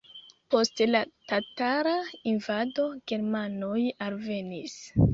Post la tatara invado germanoj alvenis.